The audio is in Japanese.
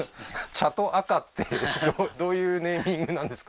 チャとアカってどういうネーミングなんですか？